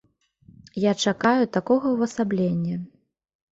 Я чакаю такога ўвасаблення.